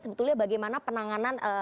sebetulnya bagaimana penanganan